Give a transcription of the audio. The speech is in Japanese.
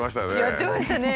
やってましたね。